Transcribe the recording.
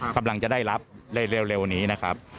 กำลังจะได้รับเร็วนี้นะครับ